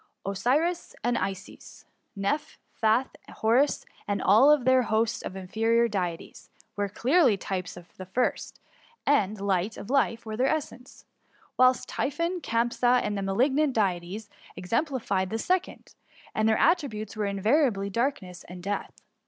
Osiris, Isis, Cnepb, Phath, Horus, and all tlieir host of inferior deities, were clearly types of the first, and light and life were their essence; whilst Typhon, Campsa, and the malignant deities, exemplified the second, and their attri butes were invariably darkness and death.""